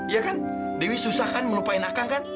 iya kan dewi susah kan melupain akang kan